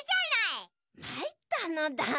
まいったのだ。